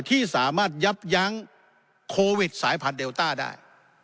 ที่สามารถยับยั้งโควิดสายพันธุเดลต้าได้